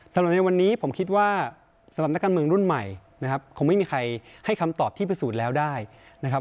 สำหรับในวันนี้ผมคิดว่าสำหรับนักการเมืองรุ่นใหม่นะครับคงไม่มีใครให้คำตอบที่พิสูจน์แล้วได้นะครับ